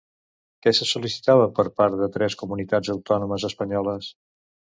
Què se sol·licitava per part de tres comunitats autònomes espanyoles?